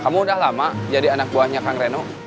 kamu udah lama jadi anak buahnya kang reno